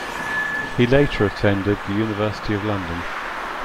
He later attended the University of London.